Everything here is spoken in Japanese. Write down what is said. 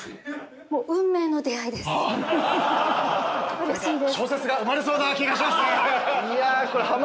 うれしいです。